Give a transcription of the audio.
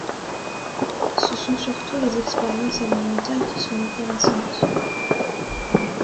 Ce sont surtout les expériences élémentaires qui sont intéressantes.